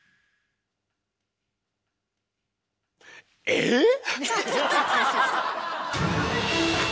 えっ⁉